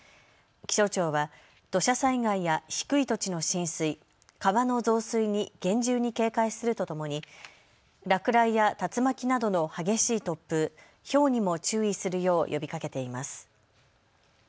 気象庁は土砂災害や低い土地の浸水、川の増水に厳重に警戒するとともに落雷や竜巻などの激しい突風、ひょうにも注意するよう呼びかけています。